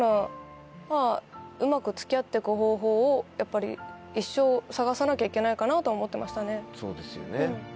うまく付き合ってく方法をやっぱり一生探さなきゃいけないかなとは思ってましたね。